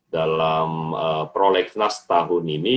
dalam proleksnas tahun ini